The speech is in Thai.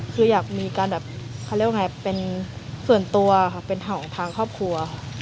คืออยากมีการแบบเขาเรียกว่าไงเป็นส่วนตัวค่ะเป็นเห่าของทางครอบครัวค่ะ